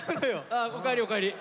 あおかえりおかえり。